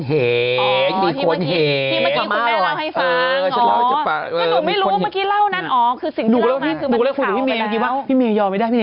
สวัสดีค่ะข้าวใส่ไข่สดใหม่เยอะสวัสดีค่ะ